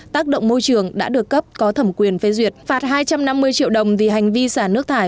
tác động môi trường đã được cấp có thẩm quyền phê duyệt phạt hai trăm năm mươi triệu đồng vì hành vi xả nước thải